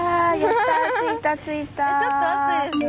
ちょっと暑いですね。